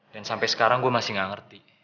dan sampai sekarang gue masih gak ngerti